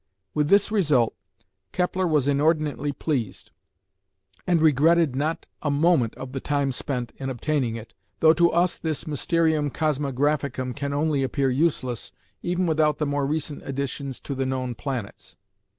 With this result Kepler was inordinately pleased, and regretted not a moment of the time spent in obtaining it, though to us this "Mysterium Cosmographicum" can only appear useless, even without the more recent additions to the known planets.